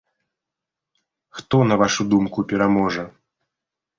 Хто, на вашу думку, пераможа?